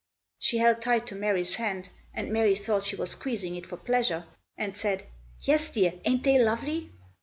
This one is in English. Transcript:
She held tight to Mary's hand, and Mary thought she was squeezing it for pleasure, and said, "Yes, dear! ain't they lovely?"